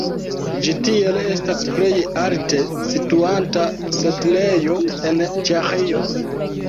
Ĝi tiel estas plej alte situanta setlejo en Ĉeĥio.